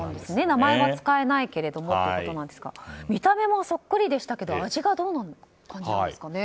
名前は使えないけれどもということですが見た目もそっくりでしたけど味はどんな感じなんですかね。